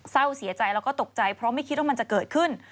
เศร้าเสียใจแล้วก็ตกใจเพราะไม่คิดว่ามันจะเกิดขึ้น